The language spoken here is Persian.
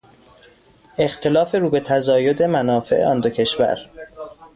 اختلاف رو به تزاید منافع آن دو کشور